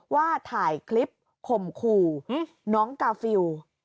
ว่าถ่ายคลิปข่มขู่น้องกาฟิล